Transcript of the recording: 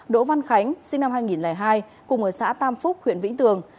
đỗ văn khánh sinh năm hai nghìn hai cùng ở xã tam phúc huyện vĩnh tường